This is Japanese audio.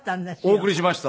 お送りしました。